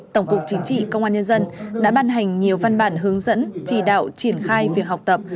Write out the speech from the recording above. tổng cục chính trị công an nhân dân đã ban hành nhiều văn bản hướng dẫn chỉ đạo triển khai việc học tập